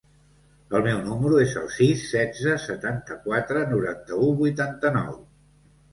El meu número es el sis, setze, setanta-quatre, noranta-u, vuitanta-nou.